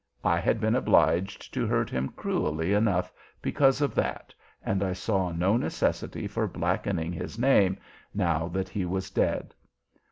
I had been obliged to hurt him cruelly enough because of that, and I saw no necessity for blackening his name, now that he was dead.